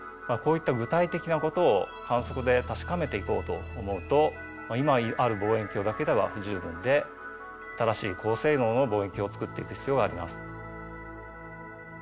こういった具体的なことを観測で確かめていこうと思うと今ある望遠鏡だけでは不十分で新しい高性能の望遠鏡を作っていく必要があります。